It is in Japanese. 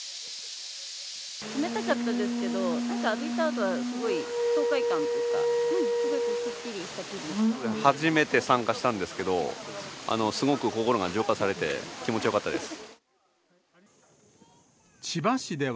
冷たかったですけど、なんか浴びたあとはすごい爽快感というか、すごいすっきりした気初めて参加したんですけど、すごく心が浄化されて、気持ちよかったです。